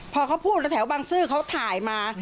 พอเขาพูดแล้วแถวบังซื้อเขาถ่ายมา